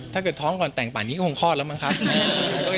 ท้องก่อนแต่งป่านนี้ก็คงคลอดแล้วมั้งครับ